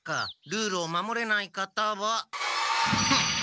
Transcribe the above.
ルールを守れない方は。